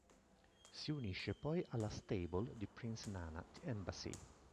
Si unisce poi alla stable di Prince Nana, The Embassy.